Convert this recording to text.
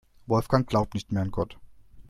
Wolfgang glaubt nicht mehr an Gott.